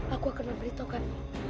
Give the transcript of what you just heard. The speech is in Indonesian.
aku akan memberitahukanmu